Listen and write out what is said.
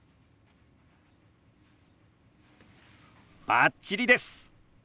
バッチリです！